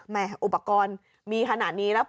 แหมอุปกรณ์มีขนาดนี้อยู่แล้ว